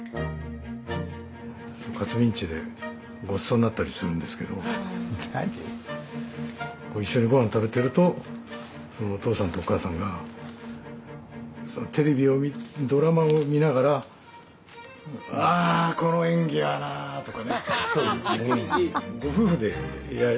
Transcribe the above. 克実んちでごちそうになったりするんですけど一緒にごはん食べてるとお父さんとお母さんがテレビドラマを見ながら「あこの演技はな」とかねご夫婦でやり合う。